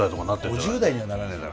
５０代にはならないだろ。